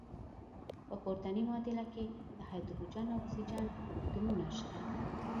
په پورتني معادله کې د هایدروجن او اکسیجن اتومونه شته.